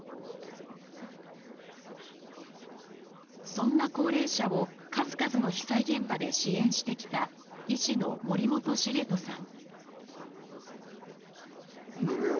そんな高齢者を数々の被災現場で支援してきた医師の森本茂人さん。